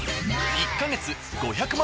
１ヵ月５００万